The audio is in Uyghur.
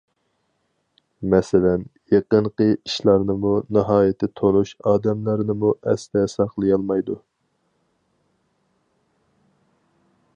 مەسىلەن: يېقىنقى ئىشلارنىمۇ، ناھايىتى تونۇش ئادەملەرنىمۇ ئەستە ساقلىيالمايدۇ.